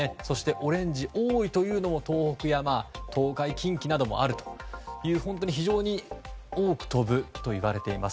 オレンジ、多いというのも東北と東海、近畿もあるという本当に非常に多く飛ぶといわれています。